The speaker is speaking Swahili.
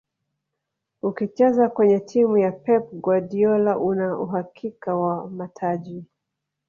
ukicheza kwenye timu ya pep guardiola una uhakika wa mataji